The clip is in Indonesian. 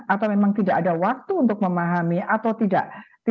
atau memang tidak ada waktu untuk memahami atau tidak